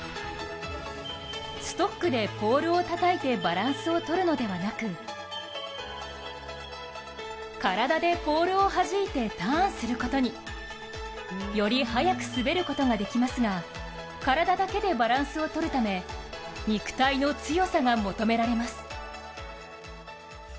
ストックでポールをたたいてバランスを取るのではなく体でポールを弾いてターンすることに。より速く滑ることができますが体だけでバランスを取るため肉体の強さが求められます。